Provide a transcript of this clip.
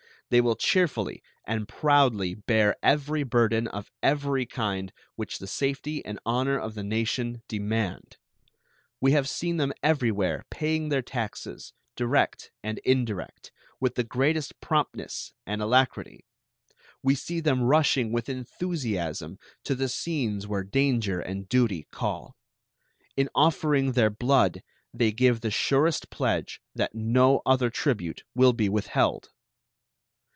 They will cheerfully and proudly bear every burden of every kind which the safety and honor of the nation demand. We have seen them everywhere paying their taxes, direct and indirect, with the greatest promptness and alacrity. We see them rushing with enthusiasm to the scenes where danger and duty call. In offering their blood they give the surest pledge that no other tribute will be withheld.